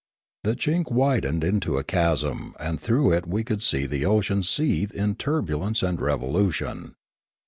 The chink widened into a chasm, and through it we . could see the ocean seethe in turbulence and revolution.